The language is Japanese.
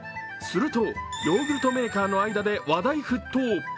するとヨーグルトメーカーの間で話題沸騰。